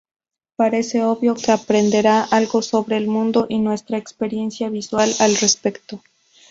Parece obvio que aprenderá algo sobre el mundo y nuestra experiencia visual al respecto.